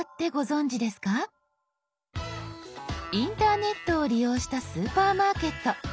インターネットを利用したスーパーマーケット。